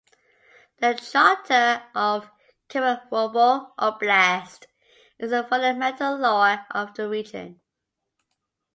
The Charter of Kemerovo Oblast is the fundamental law of the region.